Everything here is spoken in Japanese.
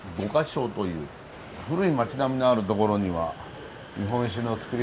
五箇荘という古い町並みのある所には日本酒の造り